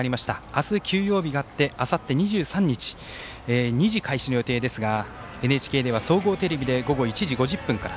明日、休養日があってあさって２３日２時開始の予定ですがＮＨＫでは総合テレビで午後１時５０分から。